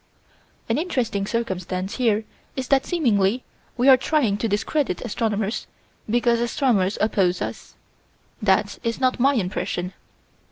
An interesting circumstance here is that seemingly we are trying to discredit astronomers because astronomers oppose us that's not my impression.